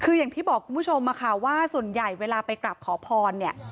คืออย่างที่บอกคุณผู้ชมค่ะว่าส่วนใหญ่เวลาไปกลับขอพรเนี่ย